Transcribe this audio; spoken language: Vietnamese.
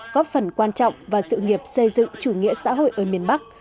góp phần quan trọng vào sự nghiệp xây dựng chủ nghĩa xã hội ở miền bắc